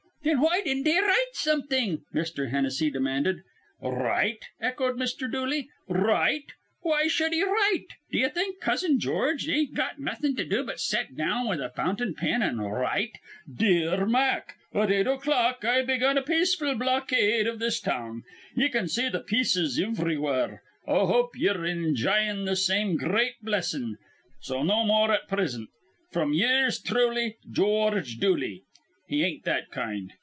"Thin why don't he write something?" Mr. Hennessy demanded. "Write?" echoed Mr. Dooley. "Write? Why shud he write? D'ye think Cousin George ain't got nawthin' to do but to set down with a fountain pen, an' write: 'Dear Mack, At 8 o'clock I begun a peaceful blockade iv this town. Ye can see th' pieces ivrywhere. I hope ye're injyin' th' same gr reat blessin'. So no more at prisint. Fr'm ye'ers thruly, George Dooley.' He ain't that kind.